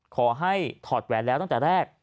ถอดแหวนแล้วตั้งแต่แรก